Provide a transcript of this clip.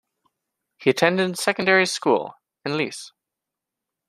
He attended secondary school in Lecce.